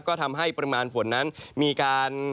ก็ทำให้ปริมาณฝนนั้นมีการ